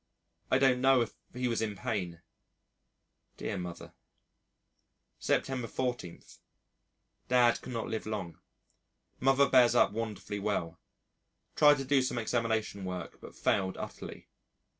I don't know if he was in pain. Dear Mother. September 14. Dad cannot live long. Mother bears up wonderfully well. Tried to do some examination work but failed utterly.